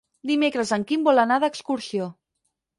Dimecres en Quim vol anar d'excursió.